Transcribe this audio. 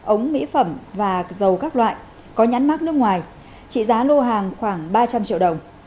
ống mỹ phẩm và dầu các loại có nhãn mát nước ngoài trị giá lô hàng khoảng ba trăm linh triệu đồng